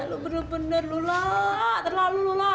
lu benar benar lulak terlalu lulak